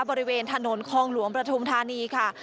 บริเวณถนนคลองหลวงประทุมธานีค่ะ